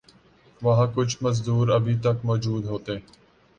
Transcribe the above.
وہاں کچھ مزدور ابھی تک موجود ہوتے